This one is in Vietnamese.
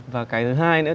và cái thứ hai nữa